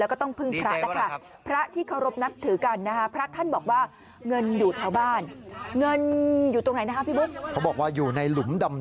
เขาบอกว่าอยู่ในหลุมดำ